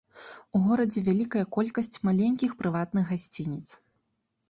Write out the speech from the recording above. У горадзе вялікая колькасць маленькіх прыватных гасцініц.